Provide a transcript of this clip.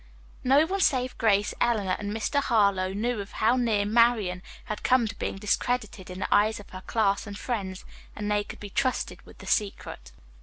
No one save Grace, Eleanor and Mr. Harlowe knew of how near Marian had come to being discredited in the eyes of her class and friends, and they could be trusted with the secret.